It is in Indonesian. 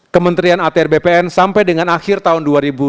kementerian atr bpn sampai dengan akhir tahun dua ribu dua puluh